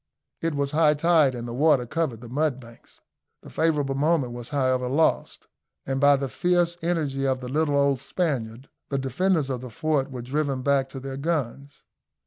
It was high tide, and the water covered the mudbanks. The favourable moment was however lost, and by the fierce energy of the little old Spaniard the defenders of the fort were driven back to their guns.